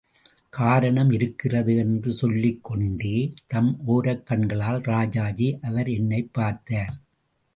காரணம் இருக்கிறது என்று சொல்லிக் கொண்டே, தம் ஒரக்கண்களால் ராஜாஜி அவர் என்னைப் பார்த்தார்.